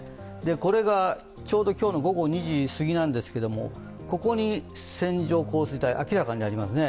これが今日の午後２時すぎなんですけれども、ここに線状降水帯、明らかにありますね。